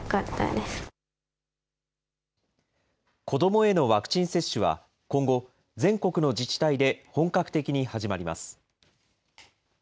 子どもへのワクチン接種は今後、全国の自治体で本格的に始まります。